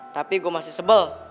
tapi gua masih sebel